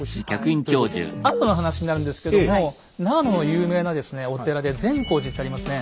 後の話になるんですけども長野の有名なですねお寺で善光寺ってありますね。